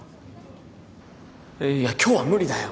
いや今日は無理だよ。